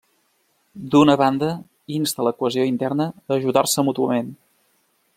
D'una banda, insta a la cohesió interna, a ajudar-se mútuament.